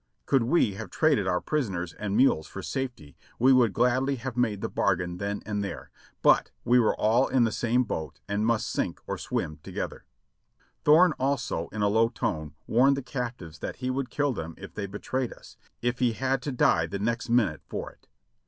Could we have traded our prisoners and mules for safety we would gladly have made the bargain then and there, but we were all in the same boat and must sink or swim together. A DASHING RIDE 629 Thorne also, in a low tone, warned the captives that he would kill them if they betrayed us, if he had to die the next minute for it.